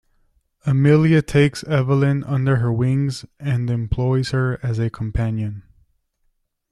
Amelia takes Evelyn under her wing and employs her as a companion.